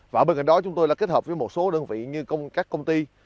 và bên cạnh đó chúng tôi đã kết hợp với một số đơn vị như các công ty